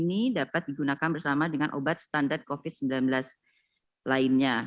ini dapat digunakan bersama dengan obat standar covid sembilan belas lainnya